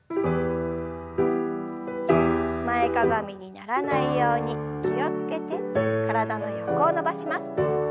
前かがみにならないように気を付けて体の横を伸ばします。